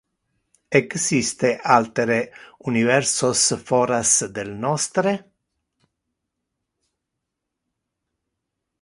Existe altere universos foras del nostre?